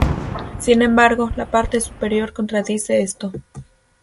Sin embargo, la parte superior contradice esto.